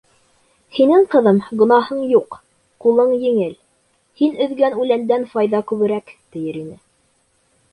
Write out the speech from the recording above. «һинең, ҡыҙым, гонаһың юҡ, ҡулың еңел. һин өҙгән үләндән файҙа күберәк», - тиер ине.